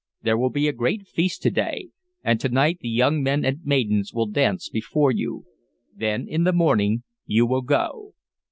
There will be a great feast to day, and to night the young men and maidens will dance before you. Then in the morning you will go."